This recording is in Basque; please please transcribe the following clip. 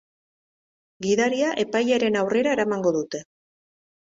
Gidaria epailearen aurrera eramango dute.